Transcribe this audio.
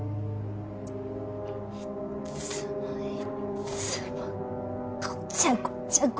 いっつもいっつもごちゃごちゃごちゃごちゃ。